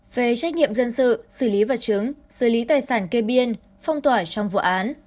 về trách nhiệm dân sự xử lý vật chứng xử lý tài sản kê biên phong tỏa trong vụ án